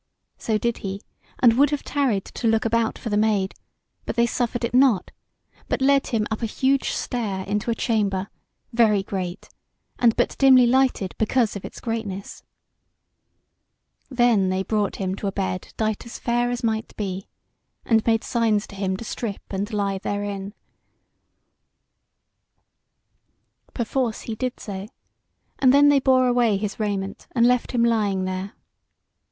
So did he, and would have tarried to look about for the Maid, but they suffered it not, but led him up a huge stair into a chamber, very great, and but dimly lighted because of its greatness. Then they brought him to a bed dight as fair as might be, and made signs to him to strip and lie therein. Perforce he did so, and then they bore away his raiment, and left him lying there.